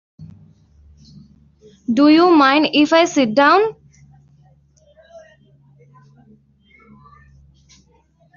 Do you mind if I sit down?